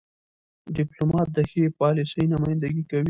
. ډيپلومات د ښې پالیسۍ نمایندګي کوي.